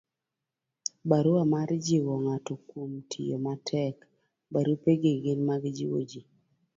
barua mar jiwo ng'ato kuom tiyo matek. barupegi gin mag jiwo ji